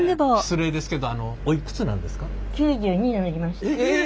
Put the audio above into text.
失礼ですけどあのおいくつなんですか？